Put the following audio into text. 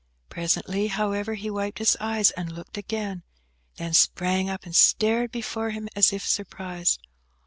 Presently, however, he wiped his eyes, and looked again; then sprang up and stared before him as if surprised.